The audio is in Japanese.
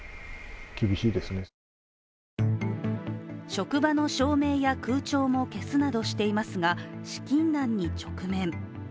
職場の照明や、空調も消すなどしていますが資金難に直面。